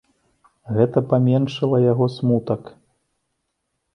Гэта паменшыла яго смутак.